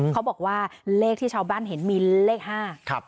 เขาบอกว่าเลขที่ชาวบ้านเห็นมีเลขห้า